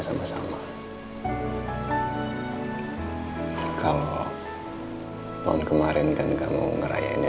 sampai jumpa di video selanjutnya